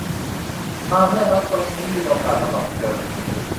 มา เพื่อนรัก ตรงนี้มีโอกาสสำหรับเธอ